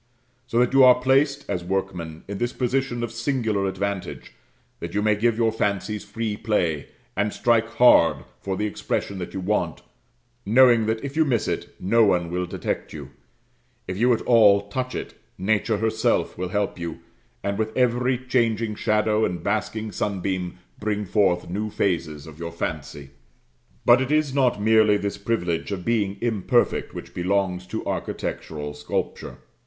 So that you are placed, as workmen, in this position of singular advantage, that you may give your fancies free play, and strike hard for the expression that you want, knowing that, if you miss it, no one will detect you; if you at all touch it, nature herself will help you, and with every changing shadow and basking sunbeam bring forth new phases of your fancy. But it is not merely this privilege of being imperfect which belongs to architectural sculpture.